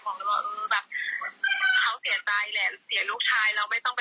คือแบบเราก็เข้าใจเขาอะค่ะถ้าเรามองกันมันเป็นเรื่องของความหลากหรือว่า